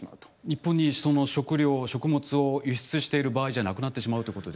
日本に食料食物を輸出している場合じゃなくなってしまうということ。